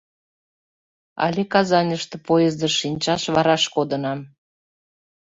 Але Казаньыште поездыш шинчаш вараш кодынам.